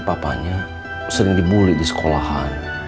papanya sering dibully di sekolahan